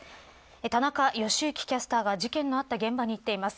田中良幸キャスターが事件のあった現場に行っています。